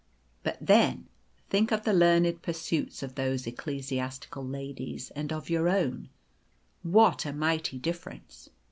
But, then, think of the learned pursuits of those ecclesiastical ladies and of your own; what a mighty difference.